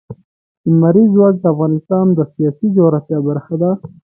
لمریز ځواک د افغانستان د سیاسي جغرافیه برخه ده.